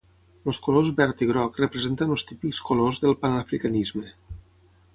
Els colors verd i groc representen els típics colors del panafricanisme.